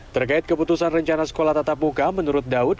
terkait keputusan rencana sekolah tatap muka menurut daud